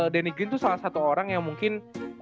danny green itu salah satu orang yang mungkin